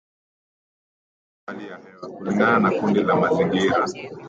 kutokana na uchafuzi wa hali ya hewa kulingana na kundi la mazingira